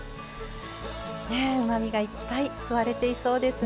うまみがいっぱい吸われていそうですね。